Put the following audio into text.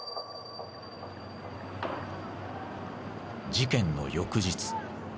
事件の翌日。